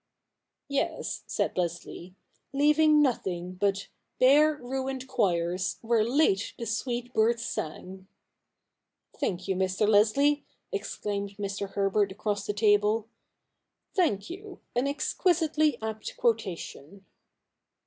'Yes,' said Leslie, 'leaving nothing but Bare ruined choirs, where late the sweet birds sang.' ' Thank you, Mr. Leslie,' exclaimed Mr. Herbert across the table, ' thank you— an exquisitely apt quotation.'